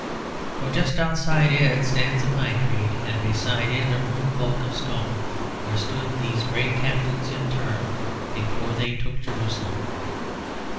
For just outside it stands a pine tree, and beside it a rude bulk of stone; where stood these great captains in turn, before they took Jerusalem.